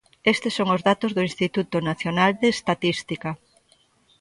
Estes son os datos do Instituto Nacional de Estatística.